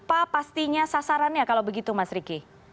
apa pastinya sasarannya kalau begitu mas riki